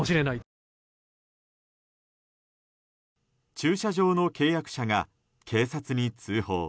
駐車場の契約者が警察に通報。